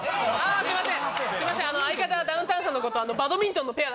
すいません。